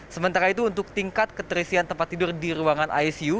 sementara itu untuk tingkat keterisian tempat tidur di ruangan icu